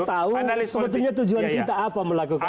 tetapi kita yang tahu sebetulnya tujuan kita apa melakukan itu